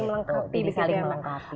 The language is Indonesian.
jadi saling melengkapi